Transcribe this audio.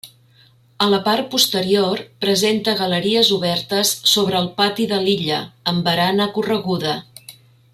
A la part posterior presenta galeries obertes sobre el pati de l'illa, amb barana correguda.